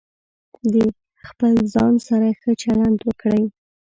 د خپل ځان سره ښه چلند وکړئ.